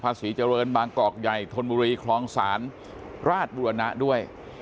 ศรีเจริญบางกอกใหญ่ธนบุรีคลองศาลราชบุรณะด้วย